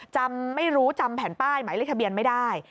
จำไม่รู้จำแผ่นป้ายหมายเลขทะเบียนไม่ได้